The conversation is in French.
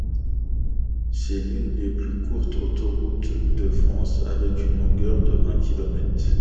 C'est l'une des plus courtes autoroutes de France avec une longueur de un kilomètre.